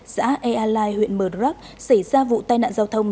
xã ea lai huyện mờ rắc xảy ra vụ tai nạn giao thông